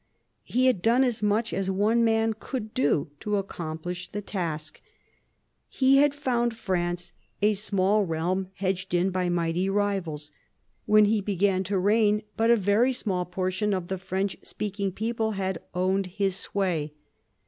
He had done as much as one man could do to accomplish the task. He had found France a small 228 PHILIP AUGUSTUS chap. realm hedged in by mighty rivals. When he began to reign, but a very small portion of the French speaking people had owned his sway.